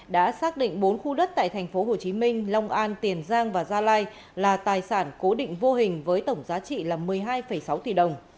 đã xác định bốn khu đất tại thành phố hồ chí minh long an tiền giang và gia lai là tài sản cố định vô hình với tổng giá trị là một mươi hai sáu tỷ đồng